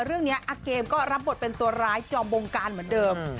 เรื่องนี้อาเกมก็รับบทเป็นตัวร้ายจอมวงการเหมือนเดิม